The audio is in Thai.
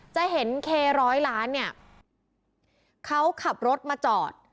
จะเห็นเคร้อยล้านเนี่ยเขาขับรถมาจอด